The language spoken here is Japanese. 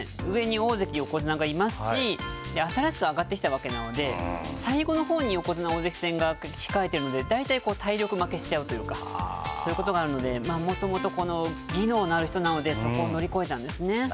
上に大関、横綱がいますし、新しく上がってきたわけなので、最後のほうに横綱、大関戦が控えているので、大体こう、体力負けしちゃうというか、そういうことがあるので、もともと技能のある人なので、そこを乗り越えたんですね。